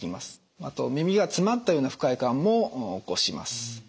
あと耳が詰まったような不快感も起こします。